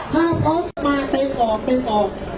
ถ้าพบมาเต็มออกเต็มออก